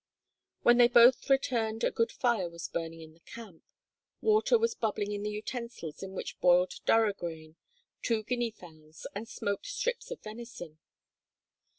When they both returned a good fire was burning in the camp; water was bubbling in the utensils in which boiled durra grain, two guinea fowls, and smoked strips of venison.